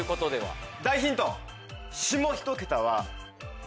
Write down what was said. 大ヒント！